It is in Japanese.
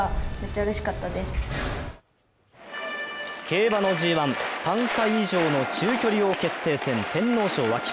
競馬のＧⅠ、３歳以上の中距離王決定戦、天皇賞・秋。